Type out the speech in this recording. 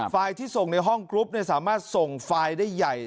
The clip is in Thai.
ที่ส่งในห้องกรุ๊ปสามารถส่งไฟล์ได้ใหญ่